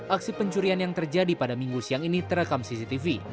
aksi pencurian yang terjadi pada minggu siang ini terekam cctv